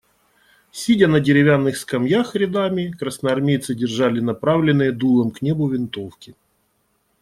Сидя на деревянных скамьях рядами, красноармейцы держали направленные дулом к небу винтовки.